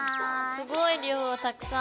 すごい量たくさん！